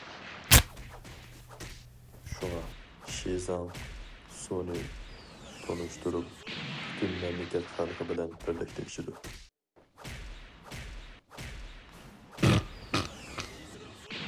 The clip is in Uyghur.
شۇڭا شىزاڭ سۇنى تونۇشتۇرۇپ، پۈتۈن مەملىكەت خەلقى بىلەن بىرلىكتە ئىچىدۇ.